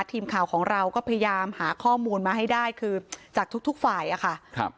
ทีมข่าวของเราก็พยายามหาข้อมูลมาให้ได้คือจากทุกฝ่ายอะค่ะครับ